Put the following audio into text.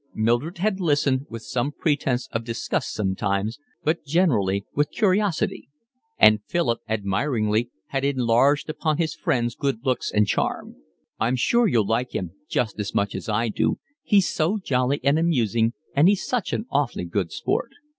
Mildred had listened, with some pretence of disgust sometimes, but generally with curiosity; and Philip, admiringly, had enlarged upon his friend's good looks and charm. "I'm sure you'll like him just as much as I do. He's so jolly and amusing, and he's such an awfully good sort."